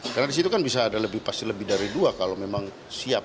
karena di situ kan bisa ada lebih pasti lebih dari dua kalau memang siap